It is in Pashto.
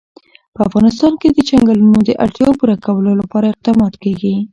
په افغانستان کې د چنګلونه د اړتیاوو پوره کولو لپاره اقدامات کېږي.